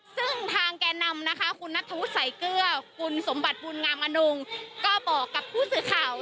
ซึ่งทางแก่นำนะคะคุณนัทธวุสายเกลือคุณสมบัติบุญงามอนงก็บอกกับผู้สื่อข่าว